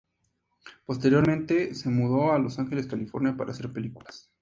Posteriormente se mudó a Los Ángeles, California, para hacer películas.